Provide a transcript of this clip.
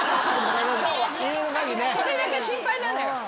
それだけ心配なのよ。